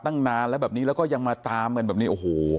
ตอนนั้นก็มีลูกชายไว้๒๐วันที่แม่ยายอุ้มอยู่